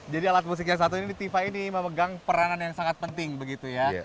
jadi alat musik yang satu ini tifa ini memegang peranan yang sangat penting begitu ya